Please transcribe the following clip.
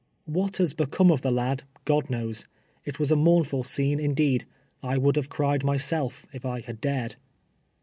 What has become of the lad, God knows. It Avas a mournful scene indeed. I would have cried myself if I had dared.